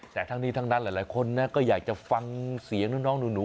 แต่ทั้งนี้ทั้งนั้นหลายคนนะก็อยากจะฟังเสียงน้องหนู